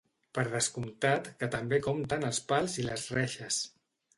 Per descomptat que també compten els pals i les reixes!